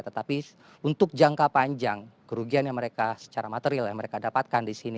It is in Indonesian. tetapi untuk jangka panjang kerugian yang mereka secara material yang mereka dapatkan di sini